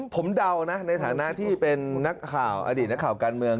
ผมเดานะในฐานะที่เป็นนักข่าวอดีตนักข่าวการเมือง